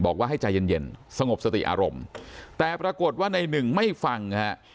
บอกว่าให้ใจเย็นเย็นสงบสติอารมณ์แต่ปรากฏว่าในหนึ่งไม่ฟังฮะ